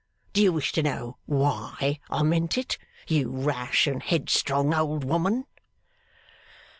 Do you wish to know why I meant it, you rash and headstrong old woman?